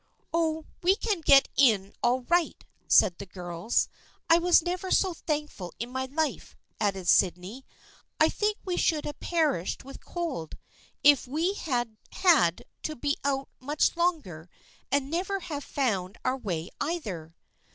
" Oh, we can get in all right," said the girls. " I never was so thankful in my life," added Sydney. " I think we should have perished with cold if we had had to be out much longer, and never have found our way either."